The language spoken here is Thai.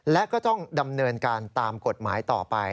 และก็ต้องดำเนินการตามกฎหมายต่อไป